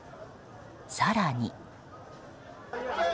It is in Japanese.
更に。